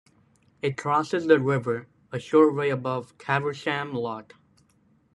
It crosses the river a short way above Caversham Lock.